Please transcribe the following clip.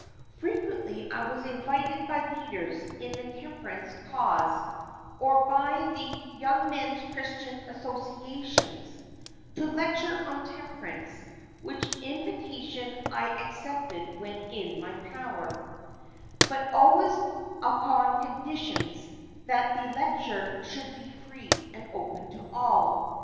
Frequently I was invited by leaders in the temperance cause or by the "Young Men's Christian Associations" to lecture on temperance, which invitation I accepted when in my power, but always upon conditions that the lecture should be free and open to all.